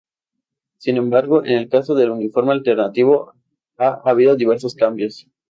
Sin embargo, en el caso del uniforme alternativo, ha habido diversos cambios.